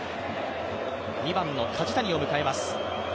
２番の梶谷を迎えます。